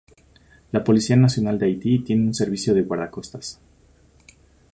La Policía Nacional de Haití tiene un servicio de guardacostas.